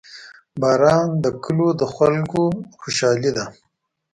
• باران د کلیو د خلکو خوشحالي ده.